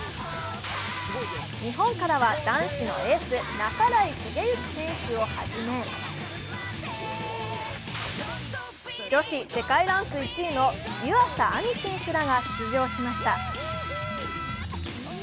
日本からは男子のエース・半井重幸選手をはじめ女子世界ランク１位の湯浅亜実選手らが出場しました。